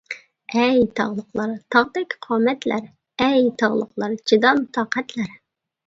ئەي تاغلىقلار، تاغدەك قامەتلەر، ئەي تاغلىقلار چىدام-تاقەتلەر.